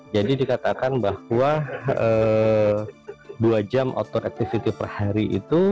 jadi dikatakan bahwa dua jam outdoor activity per hari itu